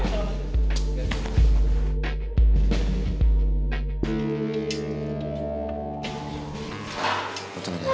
terima kasih atas keterangannya pak